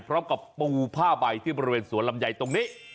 พร้อมกับปูผ้าใบที่ประเภทสวนลำใหญ่ตรงนี้